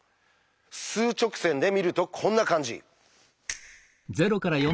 数直線で見るとこんな感じ。